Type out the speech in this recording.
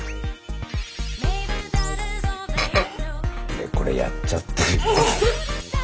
ねえこれやっちゃってる。